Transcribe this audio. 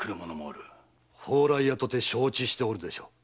蓬莱屋とて承知しておるでしょう。